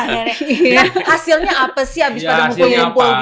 nah hasilnya apa sih abis pada kumpul kumpul gini gitu